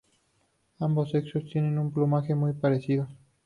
Ambos sexos tiene un plumaje muy parecido.